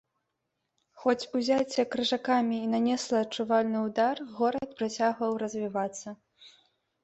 Хоць узяцце крыжакамі і нанесла адчувальны ўдар, горад працягваў развівацца.